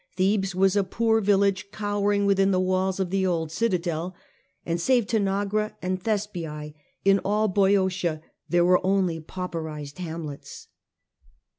Thebes was a poor vil lage cowering within the walls of the old citadel ; and save Tanagra and Thespiae in all Boeotia there were only pauperized hamlets.